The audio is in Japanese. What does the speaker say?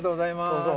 どうぞ。